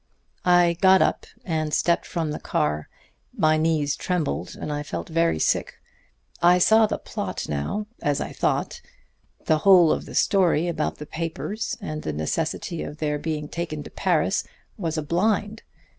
"I got up and stepped from the car. My knees trembled and I felt very sick. I saw the plot now as I thought. The whole of the story about the papers and the necessity of their being taken to Paris was a blind.